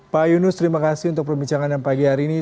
pak yunus terima kasih untuk perbincangan pagi hari ini